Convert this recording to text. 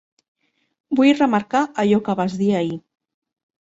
Vull remarcar allò que vas dir ahir.